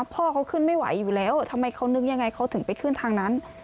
พ่อเขาขึ้นไม่ไหวอยู่แล้วทำไมเขานึกยังไงเขาถึงไปขึ้นทางนั้น